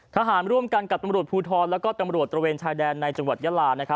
ร่วมกันกับตำรวจภูทรและตำรวจตระเวนชายแดนในจังหวัดยาลา